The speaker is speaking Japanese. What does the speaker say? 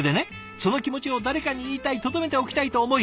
その気持ちを誰かに言いたいとどめておきたいと思い